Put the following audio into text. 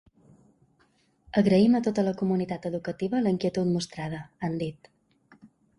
Agraïm a tota la comunitat educativa la inquietud mostrada, han dit.